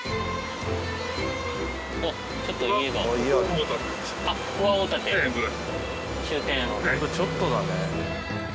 本当ちょっとだね。